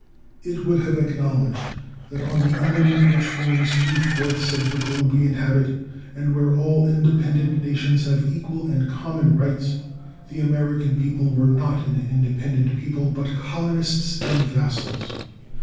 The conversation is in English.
It would have acknowledged that on the element which forms three fourths of the globe we inhabit, and where all independent nations have equal and common rights, the American people were not an independent people, but colonists and vassals.